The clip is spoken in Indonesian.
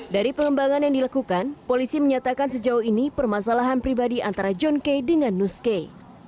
dari pengembangan yang dilakukan polisi menyatakan sejauh ini permasalahan pribadi antara john kay dengan nus kay